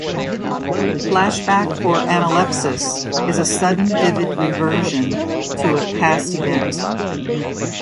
Flashback, or analepsis, is a sudden, vivid reversion to a past event.